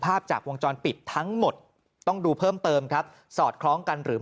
ภาพจากวงจรปิดทั้งหมดต้องดูเพิ่มเติมครับสอดคล้องกันหรือ